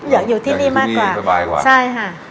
อยากอยู่ที่นี่มากกว่าอยากอยู่ที่นี่สบายกว่า